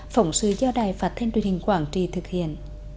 phỏng sự do đài phát thanh truyền hình quảng trì thực hiện